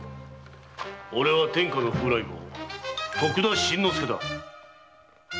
俺は天下の風来坊徳田新之助だ。